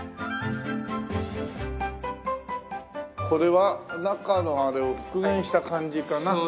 これは中のあれを復元した感じかな？